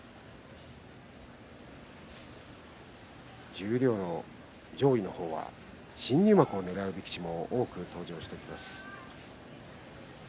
十両の上位の方は新入幕をねらう力士も多く登場してきます。